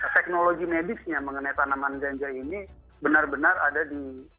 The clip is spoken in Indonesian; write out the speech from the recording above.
teknologi medisnya mengenai tanaman ganja ini benar benar ada di